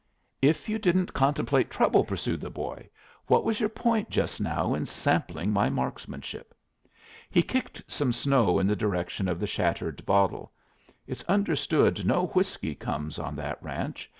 "If you didn't contemplate trouble," pursued the boy, "what was your point just now in sampling my marksmanship?" He kicked some snow in the direction of the shattered bottle. "It's understood no whiskey comes on that ranch.